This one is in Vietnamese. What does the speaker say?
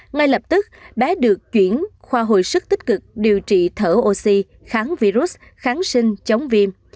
ngay lập tức bé được chuyển khoa hồi sức tích cực điều trị thở oxy kháng virus kháng sinh chống viêm